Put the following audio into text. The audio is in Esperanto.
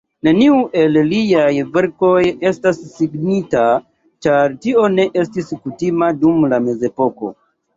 Neniu el liaj verkoj estas signita, ĉar tio ne estis kutima dum la mezepoko.